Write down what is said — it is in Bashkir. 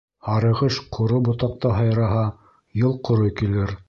Һарығош ҡоро ботаҡта һайраһа, йыл ҡоро килер.